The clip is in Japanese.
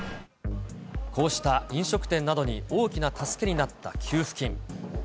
こうした飲食店などに大きな助けになった給付金。